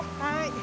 はい。